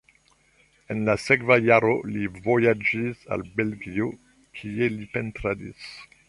En la sekva jaro li vojaĝis al Belgio, kie li pentradis.